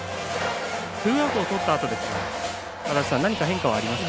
ツーアウトをとったあとですが何か変化がありますか？